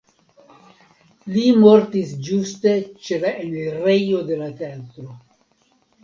Li mortis ĝuste ĉe la enirejo de la teatro.